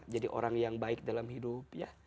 jadi orang yang baik dalam hidup